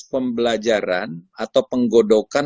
pembelajaran atau penggodokan